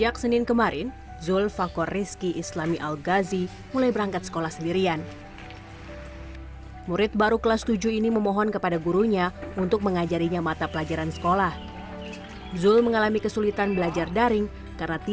beginilah aktivitas harian puluhan pelajar st dan smp satu atap sebelas batu